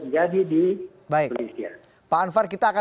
bagaimana sebuah kompetensi yang harus kita lakukan